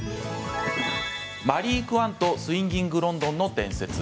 「マリー・クワントスウィンギング・ロンドンの伝説」。